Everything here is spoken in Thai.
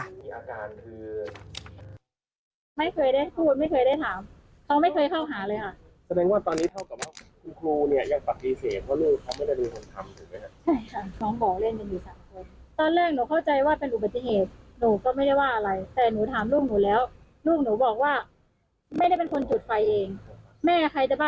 อาการคือ